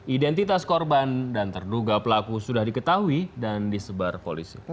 identitas korban dan terduga pelaku sudah diketahui dan disebar polisi